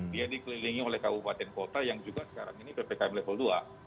dia dikelilingi oleh kabupaten kota yang juga sekarang ini ppkm level dua